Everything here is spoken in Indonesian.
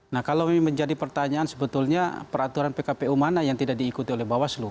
nah kalau menjadi pertanyaan sebetulnya peraturan pkpu mana yang tidak diikuti oleh bawaslu